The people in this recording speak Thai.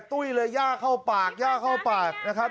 ตุ้ยเลยย่าเข้าปากย่าเข้าปากนะครับ